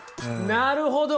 なるほど！